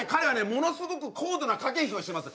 ものすごく高度な駆け引きをしてます